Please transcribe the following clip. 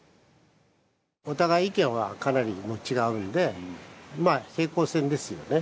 お互い意見はかなり違うのでまあ平行線ですよね。